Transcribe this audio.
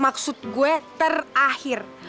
maksud gue terakhir